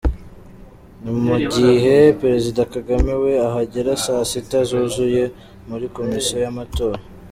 Ni mu gihe Perezida Kagame we ahagera saa sita zuzuye muri Komisiyo y’amatora.